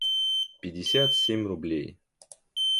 пятьдесят семь рублей